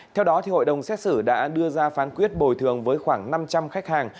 theo đó hội đồng xét xử đã đưa ra phán quyết bồi thường với khoảng năm trăm linh khách hàng